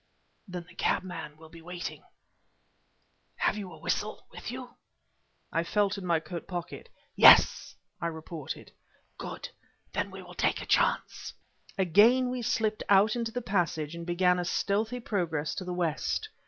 "Then the cabman will be waiting." "Have you a whistle with you?" I felt in my coat pocket. "Yes," I reported. "Good! Then we will take a chance." Again we slipped out into the passage and began a stealthy progress to the west.